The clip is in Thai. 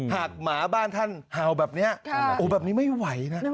หมาบ้านท่านเห่าแบบนี้แบบนี้ไม่ไหวนะ